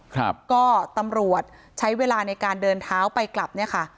ครับก็ตำรวจใช้เวลาในการเดินเท้าไปกลับเนี่ยค่ะ